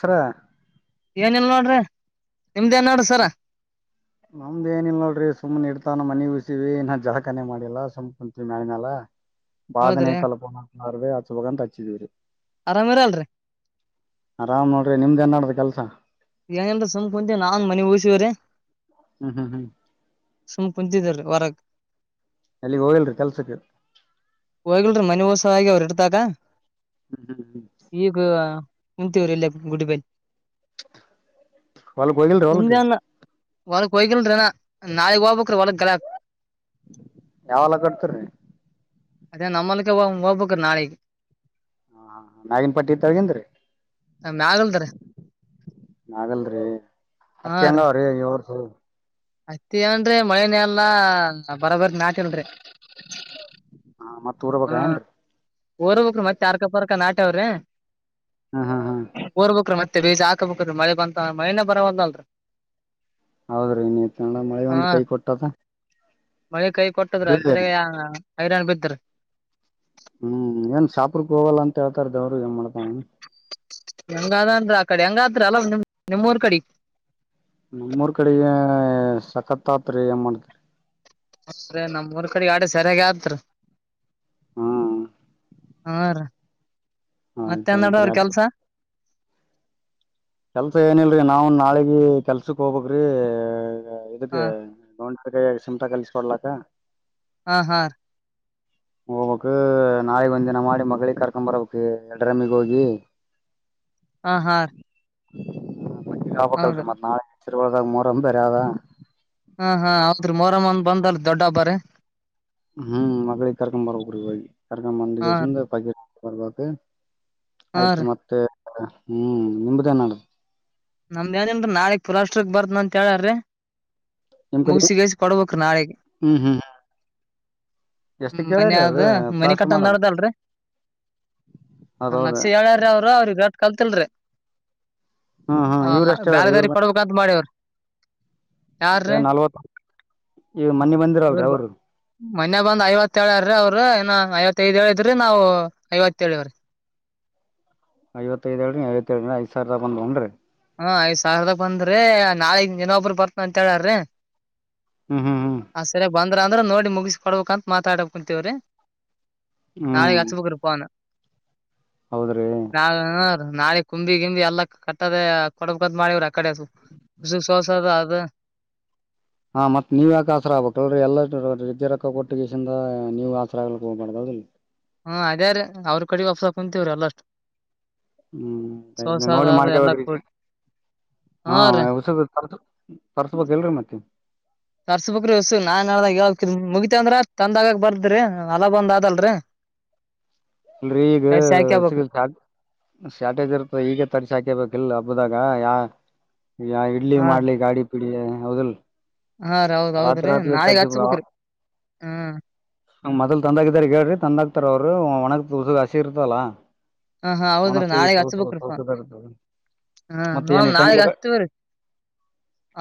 Sir ಏನಿಲ್ಲ ನೋಡ್ರಿ ನಿಮ್ದೇನ್ ನೋಡ್ರ ಸರ್ ನಮ್ದ್ ಏನ ಇಲ್ಲ ನೋಡ್ರಿ ಸುಮ್ಮನೆನ ಇಡ್ತಾನ ಮನಿ ಉಸಿವವಿ ಇನ ಜಳಖಾನೆ ಮಾಡಿಲ್ಲ ಸುಮ್ ಕುಂತೀವಿ ಮಾಳಿನಾಲ [inaudible] ಬಹಳ ದಿನ ಆಯ್ತಲ್ಲ ಅದಕ್ಕೆ ಹಚ್ಚಬೇಕಂತ ಹಚ್ಚಿದಿವಿ ಆರಾಮ್ ಇರ ಅಲ್ರರಿ ಆರಾಮ್ ನೋಡಿ ನಿಮ್ದ ಏನ್ ನಡಡ್ದ್ ಕೆಲ್ಸ ಏನ ಇಲರೀ ಸುಮ್ ಕುಂತ ನಾನ್ ಮನಿ ಮೂಗಸಿವ್ರರಿ ಹ್ಮ್ ಹ್ಮ್ ಹ್ಮ್ ಸುಮ್ಮ್ ಕುಂಂತಿದಿದ್ದವರಿ ಹೊರಕ್ ಅಲ್ಲಿಗ್ ಹೋಗಿಲ್ರಿ ಕೆಲ್ಸಕ್ ಹೋಗಿಲ್ರಿ ಮನೆ ವಸಗಿ ಅವ್ರು ಇಡತಾಗ ಹ್ಮ್ ಹ್ಮ್ ಹ್ಮ್. ಈಗ ಕುಂತೀವ್ರೀ ಇಲ್ಲೆ ಗುಡಿಬಲ್ ಹೊಲ್ಕ್ ಹೋಗಿಲ್ರಿ [inaudible] ಹೊಲ್ಕ್ ನಿಮ್ದೆ ಅಣಾ ಹೊಲಕ್ ಹೋಗ್ಗಲ್ರೀ ಅಣಾ ನಾಳಿಗ್ ಹೋಗಬೇಕ್ರೀ ಹೊಲಕ್ ಕಳೆಕ್. [unintelligible] ಯಾ ಹೊಲಾ ಕಟ್ತಿರಿ ಅದೇ ನಮ್ಮ ಹೊಲಕ ಹೊ ಹೊಬಕ್ರಿ ನಾಳಿಗ್ ಹಾ ಮ್ಯಾಗಿನ್ ಪಟ್ಟಿ ಕೆಳ್ಗಿಂದ್ರ ರೀ ಮ್ಯಾಗಲ್ರಿ [inaudible] ಆಗಲ್ರಿ ಹಾ ಹತ್ತಿ ಹೆಂಗ ರೀ ಅವ್ರೀ ಇವರ್ಷ. ಹತ್ತಿ ಏನ್ ರೀ ಮಳಿನ ಎಲ್ಲಾ ಬರಬರಿ ನಾತಿಲ್ಲ ರಿ ಹಾ ಮತ್ತ್ ಹೂಡಬೆಕ್ ಏನ್ರೀ ಓರ್ಬಕ್ ಮತ್ತೆ ಅರ್ಕ ಪರ್ಕ ನಟ್ಯಾವ್ ರೀ ಹ್ಮ ಹ್ಮ ಓರ್ಬೇಕ್ ರೀ ಮತ್ತೆ ಬೀಜ ಹಾಕ್ಬೇಕ ಮಳೆ ಬಂತ ಮಳೇನೆ ಬರವಲ್ದ ಅಲ್ರರಿ ಹೌದ್ರೀ ನೀತ್ ಮಳಿ ಹಾ ಒಂದ್ ಕೈ ಕೊಟ್ಟದ. ಮಳಿ ಕೈ ಕೊಟ್ಟದ್ರ ಸರಿಯಾಗಿ ಹೈರಾಣ ಬಿತ್ ರೀ ಹ್ಮ್ ಏನ್ ಶಾಪ್ರಕ್ ಹೋಗಲ್ಲ ಅಂತ ಹೇಳ್ತಾರ್ದವರು ಏನ್ ಮಾಡ್ತಾನೆನ್ [unintelligible] ಹೆಂಗಾದ ಅಂದ್ರ ಆ ಕಡೆ ಹೆಂಗತ್ರ ಅಲೆಬ್ ನಿಮ್ ನಿಮ್ಮೂರ್ ಕಡೆ ನಮ್ಮೂರ್ ಕಡೆಗೆ ಸಖತ್ ಆತ್ರಿ ಏನ್ ಮಾಡ್ತರಿ ನಮ್ಮ್ಊರ್ ಕಡೆಗೆ ಆಡ ಸರಿಯಾಗಿತ್ರ ಹ್ಮ. ಹಾ ರೀ [inaudible] ಆಯ್ತ ಮತ್ತೆನ್ ಆಯ್ತ್ರಿ ನಡೆದಾವ್ರಿ ಅದ ಕೆಲ್ಸ ಕೆಲ್ಸ ಏನಲ್ರರಿ ನಾವು ನಾಳಿಗ ಕೆಲ್ಸಕ್ ಹೋಗಬೆಕ್ರೀ ಹ ಇದಕ್ ಕೈಯಾಗ್ ಸಿಮಟಾ ಕಲ್ಸಿಕೊಡ್ಲಾಕ್ಕ ಹಾ ಹಾ. ಹೋಬಕ್ ನಾಳಿಗ್ ಒಂದ ದಿನ ಮಾಡಿ ಮಗಳಿಗೆ ಕರ್ಕೊಂರ್ಭೆಕ್ ಎರಡ್ರಮ್ಮಿಗ್ ಹೋಗಿ. [unintelligible] ಹ ಹಾ. ಆಬೇಕಲ್ರಿ ಹೌದ್ರ ಮತ್ ನಾಳಿಗ್ [unintelligible] ಮೂರಮ್ ಬೆರೆ ಅದ ಹ ಹ ಹೌದ್ರಿ ಮೊರಮ್ ಒಂದ ಬಂದಲ್ ದೊಡ್ಡ ಹಬ್ಬಾ ರೀ ಹ್ಮ್ ಮಗಳಿಗೆ ಕರ್ಕೊಂಡಂರ್ಬೆಕ್ ಹೋಗಿ ಕರ್ಕೊಂಡ ಹಾ ಬಂದ್ಕ್ಯಾಸಿಂದ [unintelligible] ಬರ್ಬೇಕ. ಹಾ ಆಯ್ತ್ರಿ ರೀ ಮತ್ತೆ ಹ್ಮ್ ನಿಮ್ದೇನ್ಡ ನಮ್ದ್ ಏನಿಲ್ಲ ರೀ ನಾಳಿಗ್ ಪುರಾಷ್ಟ್ರಕ್ ಬರ್ತ್ನ್ ಅಂತ ಹೇಳಾರೀ ನಿಮ್ ಕಡೆ ಮುಗಿಸಿಗಾಸಿ ಕೊಡ್ಬೇಕ್ರೀ ನಾಳೆಗ್. ಹ್ಮ್ ಹ್ಮ್ ಎಷ್ಟಕ್ ಹ್ಮ ಮನೆ ಹೇಳ್ಯಾರಿ ಆದ ಅದು ಮನೆ ಪ್ಲಾಸ್ಟರ್ ಕಟ್ಟಂದ್ ಮಾಡದ ನಡ್ದಲ್ರಿ ಒಂದ್ ಅದೌದ ಲಕ್ಷ ಹೇಳ್ಯಾರ್ ರೀ ಅವ್ರು ಅವ್ರಗ್ ರಟ್ ಕಲ್ತಿಲ್ರಿ ಇವ್ರ ಹಾ ಅಷ್ಟೇ ಅಲ್ರಿ ಇವ್ರು ಬ್ಯಾರೆದಾರಿಗ್ ಕೊಡ್ಬೇಕಂತ ಮಾಡವ್ರೀ. ಏ ನಲ್ವತ್ [unintelligible] ಈ ಮನ್ನಿ ಬಂದ್ ಇವ್ರು ಬ ಮೊನ್ನೆ ಬಂದ್ ಐವತ್ತೇ ಹೇಳಾರೀ ಅವ್ರ ಇನ್ನಾ ಐವತ್ತೈದ್ ಹೇಳಿದ್ರಿ ನಾವು ಐವತ್ತ್ ಹೇಳಿವ್ರೀ. ಐವತ್ತೈದ ಹೇಳೇನ್ರೀ ಐವತ್ತೇಳ್ ಐದ್ಸಾವಿರದಾಗ್ ಬಂದ್ವನ್ರೀ ಹಾ ಐದ್ ಸಾವಿರದ ಬಂದ್ರರಿ ನಾಳಿಗ್ ಇನ್ನೊಬ್ಬರ ಬರ್ತೀನ್ ಅಂತ ಹೇಳಾರ್ರೀ ಹ್ಮ ಹ್ಮ್. ಹ್ಮ್ ಹಾ ಸರಿಗ್ ಬಂದ್ರ ಅಂದ್ರೆ ನೋಡಿ ಮುಗಿಸ್ ಕೊಡ್ಬೇಕ ಅಂತ ಮಾತಾಡಕ್ ಕುಂತೀವ್ರೀ [unintelligible] ನಾಳಿಗ್ ಹಚ್ಚಬೆಕ್ ರೀ ಫೋನ ಹೌದ್ರೀ. [unintelligible] ನಾಳೆ ಕುಂಬಿ ಗಿಂಬಿ ಎಲ್ಲ ಕಟ್ಟದೆ ಕೊಡಬೇಕತ್ತ್ ಮಾಡಿವ್ರ ಆ ಕಡೆ [unintelligible] ತ್ತದ್ ಆದ. ಹಾ ಮತ್ತ್ ನೀವ್ ಯಾಕ ಆಸರ ಆಗ್ಬೇಕಲ್ರಿ [unintelligible] ರೊಕ್ಕ ಕೊಟ್ಟ ಗಿಸಿಂದ ನೀವ್ ಆಸರ ಆಗ್ಲಿಕ್ ಹೋಗ್ಬಾರ್ದ ಹೌದಿಲ್ಲ್. ಹಾ ಅದೇರಿ ಅವ್ರ [unintelligible] ಕುಂತಿವ್ರಿ ಅಲ್ಲ ಅಷ್ಟು ಹ್ಮು ನೋಡಿ ಅದು ಎಲ್ಲಾ ಮಾಡ್ಕೊಬೇಕ್ರಿ ಈಗಾ. ಕೂಡಿ ಹಾ ರೀ [unintelligible] ತರ್ಸ್ಬೇಕ್ ಇಲ್ರಿ ಇವ್ ಮತ್ತ್. ತರ್ಸಬೇಕ್ರಿ ಇಸ್ಸ್ ನಾನ್ ಹೇಳದಾಗ [unintelligible] ಮುಗಿತ ಅಂದ್ರ ತಂದಾಗ್ ಬರ್ದ್ರಿ [unintelligible] [inaudible] ಅಲ್ರಿ ಈಗ ತರ್ಸಿ ಹಾಕ್ಯಬೇಕ್ರಿ [unintelligible] ಶ್ಯಾಟೇಜ್ ಇರುತ್ತೆ ಈಗ ತರ್ಸಿ ಹಾಕೇಬೇಕ ಇಲ್ಲ್ ಹಬ್ಬದಾಗ ಯಾ ಯಾ ಇಡ್ಲಿ ಹಾ ಮಾಡ್ಲಿ ಗಾಡಿ ಪಿಡಿ ಹೌದಿಲ್ಲ್. ಹಾ ರೀ ಹೌದ್ ಹೌದ್ರೀ ನಾಳೆಗ್ ಹಚ್ಬೇಕ್ರಿ ಅ. ಮೊದಲ್ ತಂದಾಗ ಇದ್ದಾರಿಗಿ ಹೇಳ್ರಿ ತಂದಾಗ್ ತರೋರು [unintelligible] ಹಸಿ ಇರ್ತದಲ್ಲಾ. ಹ ಹಾ ಹೌದ್ರೀ ನಾಳಿಗ್ ಹಚ್ಬೇಕ್ರಿ ಫೋನ್. ಇರ್ತದ ಹಾ ಮತ್ತ ಏನ್ ನೋಡ್ ನಾಳಿಗ್ ಇಟ್ಟಂಗಿಲಕ ಹಚ್ತಿವ್ರಿ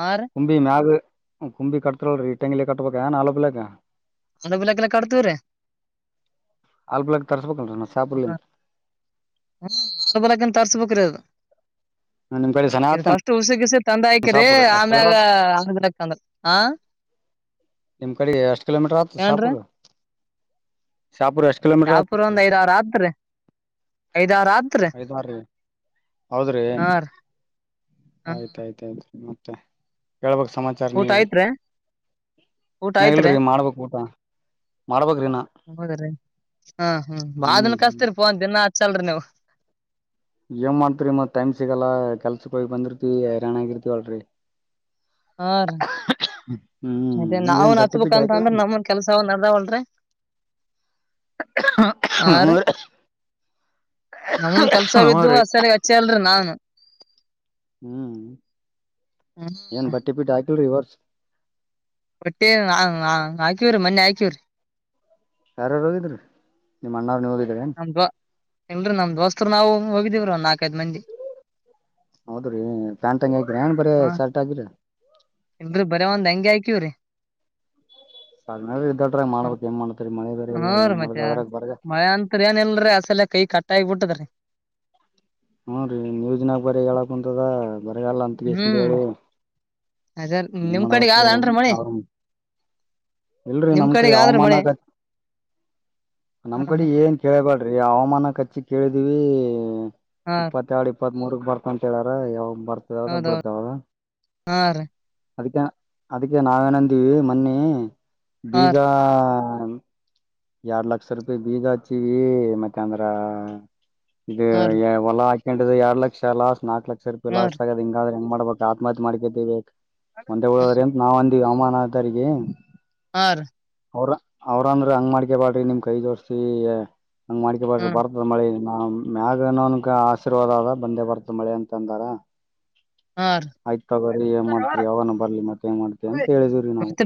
ಅರೀ. ಕುಂಬಿ ಮ್ಯಾಗ ಕುಂಬಿ ಕಟ್ಟತಿವಲ್ರಿ ಇಟ್ಟಂಗಿ ಕಟ್ಬೇಕ [unintelligible] [unintelligible] ಕಟ್ಟತಿವ್ರಿ. ತರ್ಸ್ಬೇಕ್ ಅಲ್ರಿ [unintelligible] [unintelligible] [unintelligible] ತುಳ್ಸಿ ಗಿಳ್ಸಿ ತಂದ್ ಹಾಕಿರಿ ಶಾಪುರ್ ಎಷ್ಟ್ ಕಿಲೋ ಆಮೇಗ್ ಅ [unintelligible] ನಿಮ್ ಕಡೆ ಎಷ್ಟ್ ಕಿಲೋಮೀಟರ್ ಆತ್ ಏನ್ರೀ ಶಾಪುರ್ ಶಾಪೂರ್ ಎಷ್ಟ ಶಾಪುರ ಒಂದ, ಐದ್, ಆರ್ ಆತ್ರಿ. ಐದ್, ಆರ್ ಆತ್ರಿ ಐದಾರ್ರಿ ಹೌದ್ರಿ ಅರೀ. ಆಯ್ತ್ ಆಯ್ತ್ ಆಯ್ತ್ ಮತ್ತೆ ಹೇಳ್ಬಕ್ ಸಮಾ ಊಟ ಆಯ್ತ್ರಿ. ಊಟ ಇನ್ನ್ ಆಯ್ತ್ರಿ ಇಲ್ರಿ ಮಾಡ್ಬೇಕ್ ಊಟಾ. ಹೌದ್ರಿ ಹ ಹ ಬಾಳ್ ಹ್ಮ್ ದಿನಕ್ಕ್ ಹಚ್ತಿರಿ ಫೋನ್ ದಿನ ಹಚ್ಚಲ್ರಿ ನೀವ್. ಏನ್ ಮಾಡ್ತಿರಿ ಮತ್ತ್ ಟೈಮ್ ಸಿಗಲ್ಲಾ ಕೆಲ್ಸಕ್ ಹೋಗಿ ಬಂದಿರ್ತಿವಿ ಹೈರಾನ್ ಆಗಿರ್ತಿವಳ್ರಿ. ಆರೀ [unintelligible] ಅದೇ ಏನ್ ನಾವುನ್ ಬಟ್ಟಿ ಹಚ್ಬೇಕ ಪಿಟ್ಟಿ ಅಂತ ಹಾಕಿಲ್ಲ ಅಂದ್ರ ನಮ್ಮುನು ಕೆಲ್ಸ ಅವ ನಡದಾವಲ್ರೀ. ಆರೀ ನಮ್ಮೂನು ಕೆಲ್ಸವ ಇದ್ದು ಹ್ಮ್ರೀ [unintelligible] ಚಲ್ರಿ ನಾನು. ಹ್ಮು ಹ್ಮ್ ಏನ್ ಬಟ್ಟೆ [unintelligible] ಈ ವರ್ಷ. [unintelligible] ಮೊನ್ನಿ ಹಾಕಿವ್ರಿ. ಯಾರ್ಯಾರ ಹೋಗಿದ್ರಿ ನಿಮ್ಮ ಅಣ್ಣಾ ನೀವ್ ಅದು ಹೋಗಿದ್ರ್ಯಾ. [unintelligible] ಇಲ್ರೀ ನಮ್ ದೋಸ್ತರು ನಾವು ಒಮ್ಮಿ ಹೋಗಿದ್ದಿವ್ರಿ ಒಂದು ನಾಲ್ಕೈದ್ ಮಂದಿ. ಹೌದ್ರೀ ಪ್ಯಾಂಟ್, ಅಂಗಿ ಹಾಕಿರಿ ಏನ್ ಬರೇ ಹಾ ಶರ್ಟ್ ಹಾಕಿರಿ. ಇಲ್ರಿ ಬರೇ ಒಂದ್ ಅಂಗಿ ಹಾಕಿವ್ರೀ. [unintelligible] ಹ್ಮ್ ಮಾಡ್ಬೇಕ್ ಏನ್ ಮಾಡ್ತೀರಿ ಮಳೆ ಬರೇ ಇಲ್ಲಾ ಏನ್ ಮಾಡುದ ಅದ್ರಾಗ್ ಬರಗ ಕ್ಕದೆನ್ ಇಲ್ರಿ ಯಾಡ್ ಸಲಾ ಕೈ ಕಟ್ಟಾಗಿ ಬಿಟ್ಟದರಿ. ಹುನ್ರೀ [unintelligible] ಬರಗಾಲ ಅಂತ ಕಿಸಿಂದ್ ಹೇಳಿ. ಅದರೀ ಏನ್ ನಿಮ್ಮ್ ಕಡೆ ಮಾಡ್ಬೇಕ್ರಿ ಯಾವ್ದ್ ಅನ್ರಿ ಮಳಿ. ಅವ್ರ ಇಲ್ರಿ ನಿಮ್ ನಮ್ಮ್ ಕಡೆ ಕಡೆಗ್ ಆದ್ರಿ ಹವಾಮಾನ ಮಳಿ [unintelligible] ನಮ್ ಹ ಕಡೆ ಹಾ ಏನ್ ಕೇಳಬೇಡ್ರಿ ಹವಾಮಾನ ಕಚ್ಚಿ ಕೇಳಿದಿವವಿ ಹಾ ರೀ ಇಪ್ಪತ್ತೆರಡು ಇಪ್ಪ ಇಪ್ಪತ್ ಮೂರುಕ್ ಬರ್ತಂತ ಹೇಳಾರ ಯಾವಾಗ ಬರ್ತದ ಹೌದೌದು ಬಿಡ್ತಾವದ ಹಾ ರೀ ಅದಕ್ಕೆ ಅದಕ್ಕೆ ನಾವೇನಂದೀವಿ ಮೊನ್ನಿ ಹಾ ಬೀಜ ರೀ ಎರಡ್ ಲಕ್ಷ ರೂಪಾಯಿ ಬೀಜ ಹಚ್ಚಿವಿ ಮತ್ತ ಅಂದ್ರ ಇದು ಹಾ ರೀ ಹೊಲ ಹಾಕೊಂಡ ಎಡ್ ಲಕ್ಷ ಲಾಸ್ ನಾಲ್ಕ್ ಲಕ್ಷ ಹಾ ರೂಪಿ ಲಾಸ್ ಆಗದ ಹಿಂಗಾದ್ರೆ ಹೆಂಗ್ ಮಾಡ್ಬೇಕು ಆತ್ಮಹತ್ಯೆ ಮಾಡ್ಕದೇ ಬಕ್ ರೀ ಒಂದೆ ಹ್ಮ್ ಊರವ್ರೆ ಅಂತ ನಾವ್ ಅಂದಿವಿ ಅಮಾನದಾರಿಗೆ ಹಾ ರೀ ಅವ್ರ ಅವ್ರ ಅಂದ್ರ ಹಂಗ್ ಮಾಡ್ಕ ಬಾಡ್ರಿ ನಿಮ್ ಕೈ ಜೋಡ್ಸಿ ಹಂಗ ಮಾಡ್ಕ ಬಾಡ್ರಿ ಹ್ಮ್ ಬರ್ದ ಮಳೆ ನಾ ಮ್ಯಾಗನೋನಗ ಆಶೀರ್ವಾದ ಅದ ಬಂದೇ ಬರ್ತ ಮಳೆ ಅಂತಂದಾರ ಹಾ ರೀ ಆಯ್ತ್ ತಗೋರಿ ಏನ್ ಮಾಡ್ತರಿ ಯವಾಗನು ಬರ್ಲಿ ಮತ್ತೆ ಏನ್ ಮಾಡ್ತರಿ ಅಂತ ಹೇಳಿದೀವ್ರಿ ನಾವು. ಮತ್ತ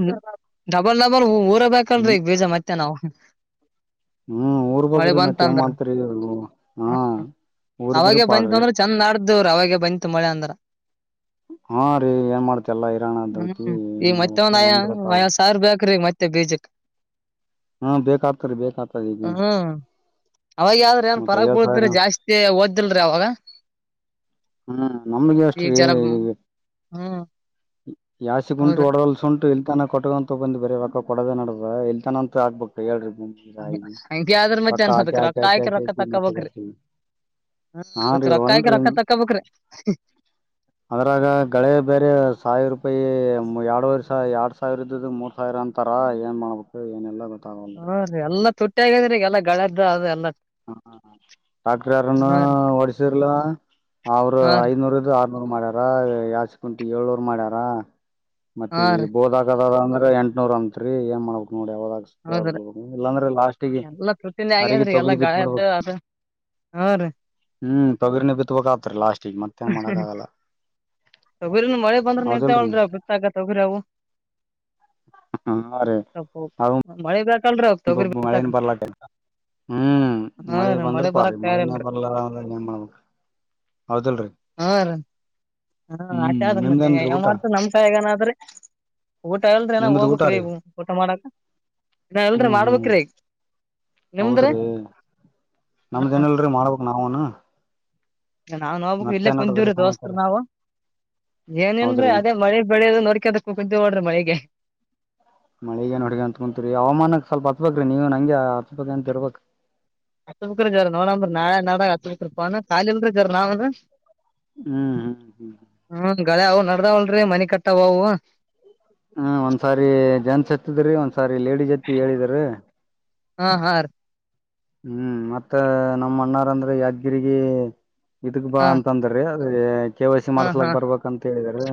ಡಬಲ್ ಡಬಲ್ ಊರಬೇಕಲ್ರೀ ಈಗ ಬೀಜ ಮತ್ತೆ ನಾವು ಹ್ಮ್ ಊರ್ ಮಳೆ ಗೊಗ್ರಿ ಬಂತ ಮತ್ತ ಏನ್ ಅಂದ್ರ ಮಾಡ್ತರಿ ಹ್ಮ ಅವಾಗ ಬಂತು ಅಂದ್ರೆ ಚಂದ ನಾಟತಿದ್ವರಿ ಅವಾಗೆ ಬಂತು ಮಳೆ ಅಂದ್ರ ಹಾ ರೀ ಏನ್ ಮಾಡ್ತಿ ಎಲ್ಲಾ ಇರಾಣ ಅದ್ದ ಹ್ಮು ಈಗ ಮತ್ತೆ ಒಂದ್ ಐವತ್ ಸಾವರ ಬೇಕ್ರಿ ಮತ್ತೆ ಬೀಜಕ್ ಹ್ಮ ಬೇಕಾಗ್ತರಿ ಬೇಕಾಗ್ತರಿ ಹ್ಮ್ ಅವಾಗ ಯಾವ್ದ್ರ ಏನ್ ಮತ್ ಫರಕ್ ಐವತ್ ಬೀಳತ್ರ ಸಾವಿರ ಜಾಸ್ತಿ ಓದ್ದಿಲ್ರಿ ಅವಾಗ ಹ್ಮ್ ನಮಗೆ ಈಗ ಅಷ್ಟ್ರೀ ಜರ ಈಗ ಹ್ಮ್ ಯಾಸಿಗುಂಟು ಹೌದ್ರಿ ಒಡಗಲ್ಸುಂಟು ಇಲ್ತನ ಕೊಟ್ಕೊಂತ ಬಂದು ಬರೆ ರೊಕ್ಕ ಕೊಡೋದ ನಡ್ದ ಇಲ್ತಾನ ಅಂತ ಆಗ್ಬು ಹೇಳ್ರಿ ಬಂದ ಅದೇ ಐ ಟಿ ಆದ್ರೆ ಮತ್ತೆ ಒಂದಸಪ ರೊಕ್ಕ ಹಾಕಿ ಆಕ್ರಿ ಹಾಕಿ ರೊಕ್ಕ ಹಾಕಿ ತಕ್ಕಬಕ್ರಿ ಮತ್ತೆ [unintelligible] ಹಾ ಅದಕ್ ರೀ ರೊಕ್ಕ ಆಕಿ ಅಲ್ರಿ ರೊಕ್ಕ ತಕ್ಕೊಬ್ರಿ ಅದ್ರಾಗ ಗಳೆ ಬೇರೆ ಸಾವಿರ ರೂಪಾಯಿ ಎರಡುವರೆ ಸಾವಿರ ಎರಡ್ ಸಾವಿರ ಇದ್ದ್ದ ಮೂರ್ ಸಾವಿರ ಅಂತಾರ ಏನ್ ಮಾಡ್ಬೇಕು ಏನಿಲ್ಲ ಗೊತ್ ಹಾ ರೀ ಎಲ್ಲಾ ತುಟ್ಟಿ ಆಗೈದ ರಿ ಈ ಎಲ್ಲಾ ಗಳೆದ್ದ ಅ ಎಲ್ಲ ಹ ಡಾಕ್ಟರ್ ಯಾರನ್ನು ರೀ ಓಡಸರ್ಲ ಅವ್ರ ಹಾ ರೀ ಐನೂರದು ಆರ್ ಮಾಡ್ಯಾರ ಯಾಚ್ ಕುುಂಟು ಏಲ್ನ್ನುರ್ ಮಾಡ್ಯಾರ ಮತ್ತೆ ಹಾ ಈ ರೀ ಬೋದಾ ಅಂದ್ರೆ ಎಂಟ್ನೂರ್ ಅಂತ್ರಿ ಏನ್ ಮಾಡ್ಬೇಕ್ ನೋಡಿ ಯಾವಾಗ ಹೌದ್ರಿ ಇಲ್ಲಂದ್ರೆ ಲಾಸ್ಟ್ ಎಲ್ಲಾ ತೃತೀಲಿ ಆಗೇದ್ರಿ ಎಲ್ಲಾ ಗಯಾಳ ಹ್ಮ್ ತೊಗರಿನ ಬಿತ್ ಬೇಕ್ ಆಗುತ್ರಿ ಲಾಸ್ಟಿಗೆ ಮತ್ತೆ ಏನ್ ಮಾಡಕ್ ಆಗಲ್ಲ ತೊಗರಿನು ಮಳೆ ಬಂದ್ರ ಹೌದಿಲ್ರರಿ ನಿಲ್ತಾವಳ್ರಿ ಅ ಗತ್ತಾಗ ತೊಗರಿ ಅವು ಹಾ ರೀ ಮಳೆ ಬೀಳಕ್ ಹ ಮಳೇನು ಬರಲಾ ಹ್ಮ್ ಹ್ಞೂ ಮಳಿ ರೀ ಬಂದ್ರ ಮಳೆ ಬರಾಕ್ ಪಾರ್ವಾಗಿಲ್ಲ ಮಳಿನ ತಯಾರಿಲ್ರಿ ಬರ್ಲಿಲ್ಲ ಅಂದ್ರ ಏನ್ ಮಾಡ್ಬೇಕು ಹೌದಲ್ರಿ ಹ ಹ ಆಚೆ ಅ ಆದ ಮತ್ತೆ ನಿಮ್ದೇನ್ರಿ ಯಾವ ಊಟ ಮಾಡ್ತ ನಮ್ಸಾಯಗನಾದ್ರೆ ಊಟ ಇಲ್ರಿ ಅಣ್ಣ ನಿಮ್ದ್ ಊಟ ಹೋಗ್ಬೇಕ್ರೀ ರೀ ಊಟ ಮಾಡಾಕ ಇಲ್ರಿ ಹ್ಮ್ ಹ್ಮ್ ಮಾಡ್ಬೇಕ್ರಿ ನಿಮ್ದ್ರಿ ಹೌದ್ರಿ ಹ್ಮ ನಮ್ದೇನಲ್ರಿ ಮಾಡ್ಬೇಕು ನಾವುನು ನಾವುನು ಹೋಗ್ಬೇಕು ರೀ ಇಲ್ಲೇ ನೋಡ್ರಿ ಕುಂತಿವ್ರಿ ದೋಸ್ತ್ರು ಸಮಾಚಾರ ನಾವು ಏನಲ್ರಿ ಹೌದ್ರಿ ಅದೇ ಮಳೆ ಬೆಳೆಯೋದ ನೋಡ್ಕಿ ಅದಕ್ಕೆ ಕುಂತಿವ್ ನೋಡ್ರಿ ಮಳಿಗೆ ಮಳಿಗನ್ ನೋಡ್ಕೊಂತ ಕುಂತೀರಿ ಹವಾಮಾನಕ್ ಸ್ವಲ್ಪ ಹಚ್ಚ್ ಬೇಕ್ರಿ ನೀವು ಹಂಗೆ ಹಚ್ಬಬೇಕ ಅಂತ ಇರ್ಬೇಕ್ ಹತ್ ಬುಕ್್ರಿ ಜಾರ ನೋಡಂಬ್ರಿ ನಾಳ ನಾಡ ಹತ್ ಬು್ರಿ ಪ ಖಾಲಿಲ್ರೀ ಜರ ನಾವನ್ೀ [unintelligible] ಹ್ಮ್ ಹ್ಮ್ ಹ್ಮ್ ಹ್ಮ ಗಳ ಅವು ನಡ್ದಾವಲ್ರಿ ಮನಿ ಕಟ್ಟಾವ ಅವು ಹ್ಮ ಒಂದ್ಸಾರಿ ಜೆಂಟ್ಸ್ ಎತ್ತದ್ರೀ ಒಂದ್ಸಾರಿ ಲೇಡೀಸ್ ಎತ್ತ ಹೇಳಿದ್ರ ಹಾ ಹಾ ರೀ ಹ್ಮ್ ಮತ್ತ ನಮ್ಮ ಅಣ್ಣಾರಂದ್ರೆ ಯಾದಗಿರಿಗೆ ಇದಕ್ ಬಾ ಹಾ ಅಂತಂದ್ರ ಅ ಕೆ ವೈಸಿ ಹಾ ಹಾ ಮಾಡ್ಸ್ಲಕ್ ಬರ್ಬೇಕ ಅಂತ ಹೇಳಿದೀ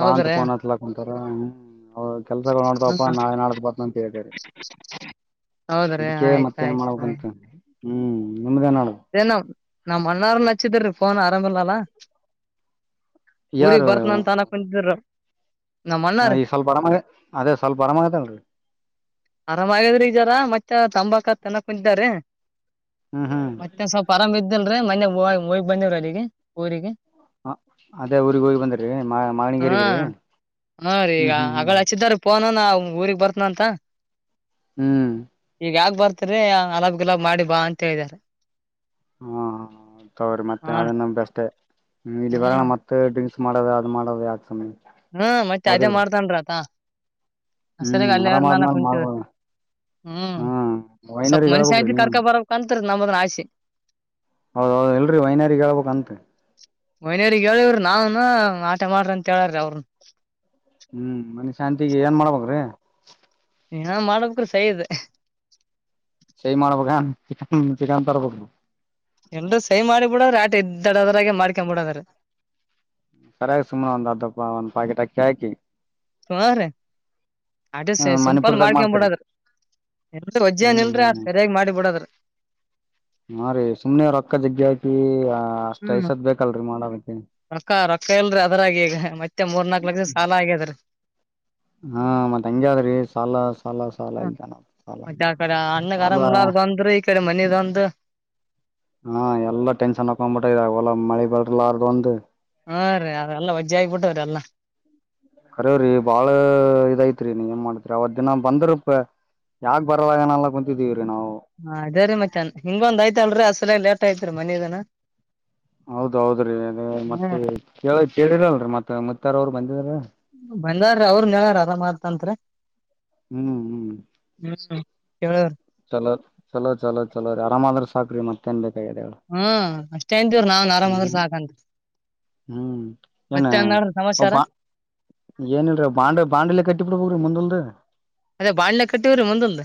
ಬಾತ್ ಪೋನ್ತ್ಲ ಒಂಥರ ಹ ಕೆಲಸಗಳು ನೋಡ್ದವಪ್ಪ ಹ್ಮ ನಾಳೆ ನಾಡಕ್ ಬತ ಅಂತಾರೆ ಹೌದ್ರಿ ಅದಕ್ಕೆ ಮತ್ತ ಆಯ್ತ ನ್ ಆಯ್ತು ಮಾಡಬೇಕಂತ ಹ್ಮ್ ನಿಮ್ದೇ ನೋಡ ನ್ ನಮ್ಮ ಅಣ್ಣರ ಹಚ್ಚಿದ್ರೀ ಫೋನ್ ಆರಾಮ ಇಲ್ಲಲ್ಲ ಊರಿಗ್ ಯಾರು ಬರ್ತ್ನ ಅಂತ ಅನ ಕುಂತಿದ್ರ ನಮ್ಮ್ ಅಣ್ಣ ರೀ ಈ ಸ್ವಲ್ಪ ಅರಮ ಅದೇ ಸ್ವಲ್ಪ ಅರಾಮಾಗ ನಡ್ರರಿ ಆರಾಮ ಆಗಾದ್ರಿ ಈ ಜರ ಮತ್ತೆ ತಂಬಾಕ ತನ್ನ ಕುಂತಾರ ಮ ಹ್ಮ್ ಹ್ಮ್ ಮತ್ತ ಸ್ವಲ್ಪ ಆರಾಮ್ ಇದಲ್ರರಿ ಮೊನ್ನೇ ಹೋಗಿ ಬಂದ್ವಿ ರಿ ಅಲ್ಲಿಗೆ ಊರಿಗೆ ಹ ಅದೇ ಊಗ್ ಹೋಗಿ ಬಂದ್ರೀ ಹಾ ಮಣಿಗೇರಿಗ ಹ್ಮ್ ಹ್ಮ್ ಹ್ಮ್ ಫೊನ್ ನ್ ಊರಿಗೆ ಬರ್ತನ ಅಂತ ಹ್ಮ್ ಈಗ ಯಾಕ ಬರ್ತರಿ ಅಲಬ್ ಗಿಲಾಬ್ ಮಾಡಿ ಬಾ ಅಂತ ಹೇಳಿದಾರೆ ಹ್ಮ ಹ ತವ್ರರಿ ಮತ್ತೆ ಹಾ ಅದನ್ನು ಬೆಸ್ ಇಲ್ಲಿ ಬರೋಣ ಹ್ಮ್ ಮ ಮತ್ತೆ ಡ್ರಿಂಕ್ಸ್ ಮಾಡೋದ ಅದು ಮಾಡೋದ ಯಾಕ ಸುಮ್ನೇ ಹ್ಮ ಮತ್ತೆ ಅದೇ ಮಾಡ್ತನ್ರ ಆತ ಹಸ ರ ಗ ಹ್ಮ್ ಆರಾಮ್ ಅಲ್ಲವಲ್ಲಾನ ಆದ್ಮೇಲ್ ಕುಂಚವ ಮಾಡ್ಬೋದ ಹ್ಮ್ ವೈನರಿಗ್ ಸಪ್ಮನಿ ಸಾಯ ಹೇಳ್ಬೇಕ್ರಿ ನೀವು ಕಾರ್ಕ ಬರ ಕಂತರ ನಂಬದೆ ಆಸೆ ಹೌದೌದು ಇಲ್ರರಿ ವೈನಾರ ಹೇಬೇಕ ಅಂತ ಮಹನವಗ್ ಹೇಳವ್ರಿ ನಾವನು ಆಟ ಮಾಡ್ರಿ ಅಂತ ಹೇಳ್ರ ಅವ್ರರುನು ಹ್ಮ್ ಮನಶಾಂತಿಗೆ ಏನ್ ಮಾಡ್ಬೇಕ್ರೀ ಏನ ಮಾಡಬೇಕು ರಿ ಸೈ ಇದ ಸೇ ಮಳಪಕ ಚ ಚಿಕನ್ ತರಬೇಕು ಎಲ್ರರು ಸೈ ಮಾಡಿ ಬಿಡದ್ರ ಆಟ ಇದ್ದಡದರಾಗೆ ಮಾಡ್ಕೊಂಡ್ಬ ಬಿಡದ್ರ ಸರಿಯಾಗಿ ಸುಮ್ಮನೆ ಒಂದ್ ಅರ್ಧಾ ಒಂದು ಪಾಕೆಟ್ ಅಕ್ಕಿ ಹಾಕಿ ಹ್ರೀ ಅಡ್ರ ಹ್ಮ ಸಿಂಪಲ್ ಮಣಿಪುರದಾಗ ಮಾಡ್ಕೊಂಡು ಮಾಡ್ತರಿ ಬಿಡೋದು ಇಲ್ ವಜ್ಜನ್ ಇಲ್ರಿ ಆ ಸರಿಯಾಗಿ ಮಾಡಿ ಬಿಡದ್ ನಾ ರೀ ಸುಮ್ನೆ ರೊಕ್ಕ ಜಗ್ಗಿ ಯ್ತಿ ಅಷ್ಟ್ ಹ್ಮ್ ಐಸದ್ ಬೇಕಲ್ರರಿ ಮಾಡತ್ತ ರೊಕ್ಕ ರೊಕ್ಕ ಇಲ್ರರಿ ಅದರಗಿ ಈಗ ಮತ್ತೆ ಮೂರ್ ನಾಕ ಲಕ್ಷದ ಸಾಲ ಆಗ್ಯದ್ರೀ ಹಾ ಮತ್ತತ್ ಹಂಗ ಆದ್ರಿ ಸಾಲ ಸಾಲ ಸಾಲ ಹ್ಮ ಇಲ್ತಾನ ಸಾಲ ಸಾಲ ಏಕದೆ ಮನೆದೊಂದು ಹಾ ಎಲ್ಲ ಟೆನ್ಷನ್ ಹಾಕೊಂಡ್ಬಿಟ್ಟ ಇದಾಗಲ್ಲ ಮಳಿ ಬರ್ಲ್ಲಲಾರದು ಒಂದು ಹಾ ರೀ ಅ್ರಲ್ಲ ವಜ್ಜ ಆಗಿಬ ಬಿಟ್ಟದ್ರೆಲ್ಲ ಅರೇವಿ ಬಾಳ ಇದಐತ್ರಿ ನೀ ಏನ್ ಮಾಡ್ತಿರಿ ಅವತ್ ದಿನ ಬಂದ್ರಪ ಯಾಕ ಬರಲ್ಲಾಗನಲ್ಲ ಕುಂತಿದ್ದೀವ್ರೀ ನಾವು ಹಾ ಅದೇರಿ ಮತ್ತೆನ್ ಹಿಂಗೊಂದ್ ಆಯತಲ್ರಿ ಅಸಲೇ ಲೇಟ್ ಆಯ್ತ್ರಿ ಮನ ಇದನ ಹೌದ್ ಹೌದ್ರೀ ಅ ಮತ್ತೆ ಹ್ಮ್ ಕೇಳ ಕೇಳಿರಲ್ರರಿ ಮತ್ತೆ ಮತ್ತಾರ ಅವರು ಬಂದಿದ್ರೀ ಬಂದಾರ್ರ ಅವ್ರ ನೆರ ಅದ ಮಾಡ್ತಂತ್ ಹ್ಮ್ ಹ್ಮ್ ಹ್ಮ್ ಕೇಳ್ರ ಚಲೋ ಚಲೋ ಚಲೋ ಚಲೋ ರ ಆರಾಮ ಆದ್ರ ಸಾಕ್ರರಿ ಮತ್ತೇಏನ್ ಬೇಕಾಗಿದೆ ಹ್ಮ ಅಷ್ಟೇ ಅಂತವ್ ನಾವ್ನ್ ಆರಾಮ್ ಆದ್ರ ಸಾಕಂತ ಹ್ಮ್ ಮತ್ತೆನ್ ನಡದದ ಸಮಾಚಾರಾ? ಏನಿಲ್ರೀ ಬಾಂಡ್ ಬಾಂಡಲೆ ಕಟ್ಟಿ ಬಿಡ್ಬೋರೀ ಮುಂದಲ್ದ ಅದೇ ಬಾಣಲೆ ಕಟ್ಟಿವ್ರೀ ಮುಂದಲ್ದ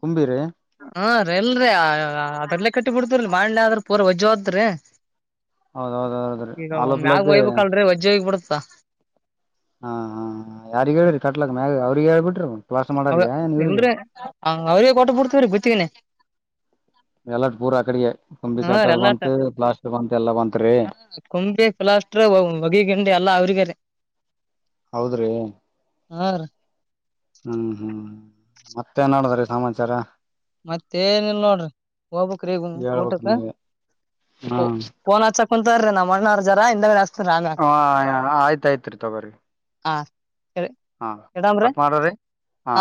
ಕುಂಬಿರಿ ಹ್ ರಿಲ್ರಿ ಅ ಅ ಅದ್ರಲ್ಲೇ ಕಟ್ಟಿ ಬಿಡ್ತೀವ್ರಿ ಮಾಡ್ಲಿಲ್ಲ ಆದ್ರ ಪೂರ್ ವಜ್ಜಿ ಹೋತುದ್ರಿ. ಹೌದೌದ ಹೌದ್ರಿ ಈಗ ಅವ ಮ್ಯಾಗ ಆಲೋಪ್ಲಕ್ ವಯ್ಬೇಕಲ್ರೀ ವಜ್ಜೆ ಆಗ್ ಬಿಡತದ. ಹಾ ಹಾ ಯಾರಿಗ ಹೇಳಿರಿ ಕಟ್ಲಾಕ್ ಮ್ಯಾಗ ಅವ್ರಿಗ್ ಹೇಳ್ ಬಿಟ್ಟಿರಿ ಅಲಾ. ಅವ ಇಲ್ರಿ ಅವ್ರಿಗೆ ಕೊಟ ಬಿಡ್ತವ್ರೀ ಗುತ್ತಿಗೆನೆ. ಎಲ್ಲಡ್ ಪೂರ್ ಅಕಡಿಗೆ ಕುಂಬಿ ಹಾ ರೀ ಕಟ್ಟದ ಎಲ್ಲಾ ಬಂತ ಪ್ಲಾಸ್ಟರ್ ಬಂತ ಎಲ್ಲಾ ಬಂತ್ರಿ ಕುಂಬಿ ಪ್ಲಾಸ್ಟರ್ ಬಗೆ ಗಿಂಡಿ ಎಲ್ಲಾ ಅವ್ರಿಗೇ ರಿ. ಹೌದ್ರಿ ಹಾ ರೀ ಹ್ಮ್ ಹ್ಮ್ ಮತ್ತೆನ್ ನಡದದ್ರೀ ಸಮಾಚಾರಾ? ಮತ್ತೆ ಏನಿಲ್ಲ ನೋಡ್ರಿ ಹೋಗಬೇಕ್ರಿ ಈಗ ಹೇಳ್ಬೇಕ್ ಊಟಕ್ಕ. ನೀವೇ ಹ್ಮ್ ಫೋನ್ ಹಚ್ಚಕ ಕುಂತಾರ್ರೀ ನಮ್ಮಣ್ಣವ್ರ ಜರ ಹಿಂದಾಗದ ಹಚ್ಚ್ ಹ ಹಾ ಆಯ್ತಾಯ್ತ್ ರೀ ತೊಗೋರಿ. ಹಾ ಹಾ ಇಡಾಮ್ರಿ ಕಟ್ ಮಾಡರ್ರಿ ಹಾ.